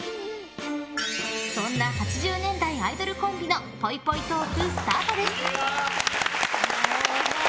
そんな８０年代アイドルコンビのぽいぽいトーク、スタートです！